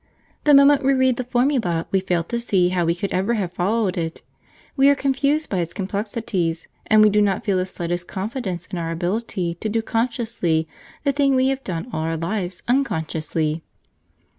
The moment we read the formula we fail to see how we could ever have followed it; we are confused by its complexities, and we do not feel the slightest confidence in our ability to do consciously the thing we have done all our lives unconsciously."